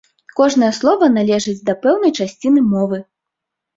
Кожнае слова належыць да пэўнай часціны мовы.